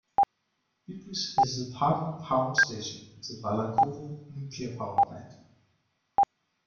Biblis is the partner power station of the Balakovo Nuclear Power Plant.